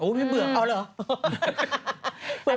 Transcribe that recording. อุ้ยผมเบื่อครัวเหรอ